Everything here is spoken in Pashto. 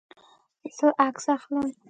زه عکس اخلم